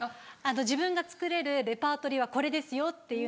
自分が作れるレパートリーはこれですよっていうので。